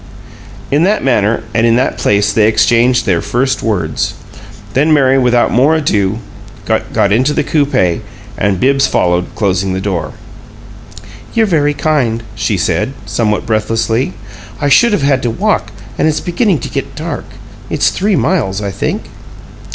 In that manner and in that place they exchanged their first words. Then Mary without more ado got into the coupe, and Bibbs followed, closing the door. "You're very kind," she said, somewhat breathlessly. "I should have had to walk, and it's beginning to get dark. It's three miles, I think."